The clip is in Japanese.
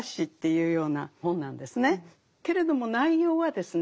けれども内容はですね